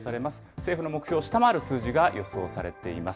政府の目標を下回る数字が予想されています。